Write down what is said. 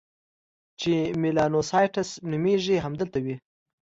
چې میلانوسایټس نومیږي، همدلته وي.